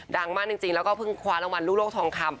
ดังมากจริงแล้วก็เพิ่งคว้ารางวัลลูกโลกทองคำ